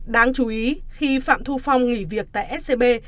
đáng chú ý khi phạm thu phong nghỉ việc tại scb